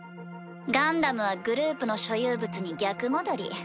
ガンダムはグループの所有物に逆戻り。